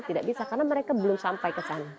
tidak bisa karena mereka belum sampai ke sana